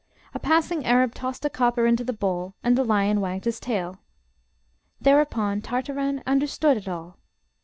A passing Arab tossed a copper into the bowl, and the lion wagged his tail. Thereupon Tartarin understood it all.